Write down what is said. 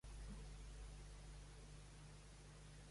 Sol·licitar i l'annex de Designació del perímetre del dret miner.